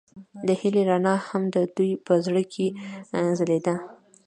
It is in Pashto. د هیلې رڼا هم د دوی په زړونو کې ځلېده.